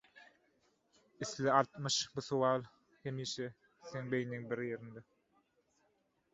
isle altmyş bu sowal hemişe seň beýniň bir ýerinde.